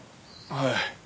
はい。